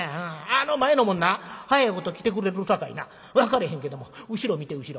あの前の者な早いこと来てくれるさかいな分かれへんけども後ろ見て後ろ。